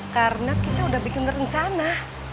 karena kita udah bikin rencana